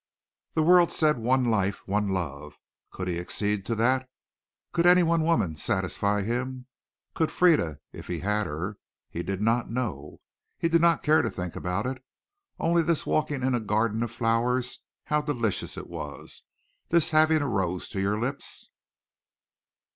The world said one life, one love. Could he accede to that? Could any one woman satisfy him? Could Frieda if he had her? He did not know. He did not care to think about it. Only this walking in a garden of flowers how delicious it was. This having a rose to your lips!